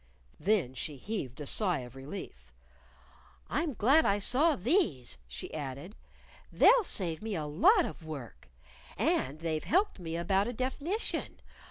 Then she heaved a sigh of relief. "I'm glad I saw these," she added. "They'll save me a lot of work. And they've helped me about a def'nition.